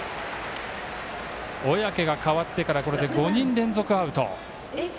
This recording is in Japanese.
小宅が代わってからこれで５人連続アウト。